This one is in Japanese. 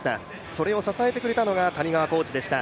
それを支えてくれたのが谷川コーチでした。